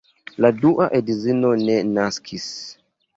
La dua edzino ne naskis.